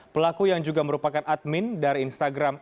pelaku yang juga merupakan admin dari instagram